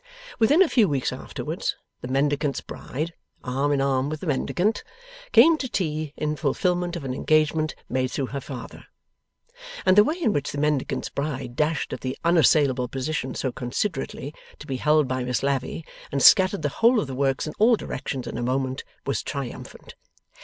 Within a few weeks afterwards, the Mendicant's bride (arm in arm with the Mendicant) came to tea, in fulfilment of an engagement made through her father. And the way in which the Mendicant's bride dashed at the unassailable position so considerately to be held by Miss Lavy, and scattered the whole of the works in all directions in a moment, was triumphant.